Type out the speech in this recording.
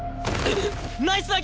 ナイス凪！